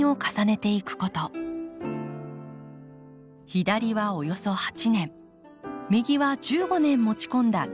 左はおよそ８年右は１５年持ち込んだケヤキです。